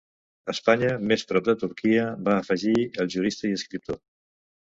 Espanya més prop de Turquia, va afegir el jurista i escriptor.